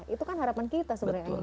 itu kan harapan kita sebenarnya